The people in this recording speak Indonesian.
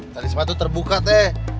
tali sepatu terbuka teh